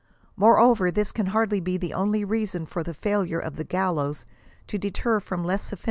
Moreover, this can hardly be the only reason for the failure of the gallows to deter from less ofl!